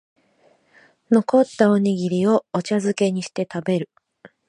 残ったおにぎりをお茶づけにして食べる